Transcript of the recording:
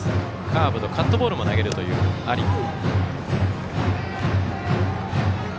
カーブとカットボールも投げるという有馬。